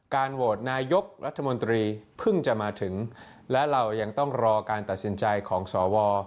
โหวตนายกรัฐมนตรีเพิ่งจะมาถึงและเรายังต้องรอการตัดสินใจของสว